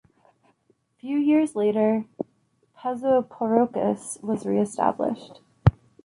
Few years later, Pezoporikos was re-established.